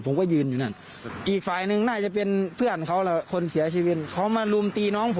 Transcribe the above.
ผมก็ยืนอยู่นั่นอีกฝ่ายหนึ่งน่าจะเป็นเพื่อนเขาแล้วคนเสียชีวิตเขามารุมตีน้องผม